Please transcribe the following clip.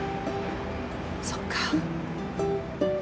そっか。